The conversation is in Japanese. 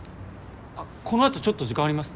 あこのあとちょっと時間あります？